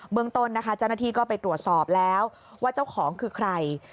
เมืองต้นนะคะเจ้าหน้าที่ก็ไปตรวจสอบแล้วว่าเจ้าของคือใคร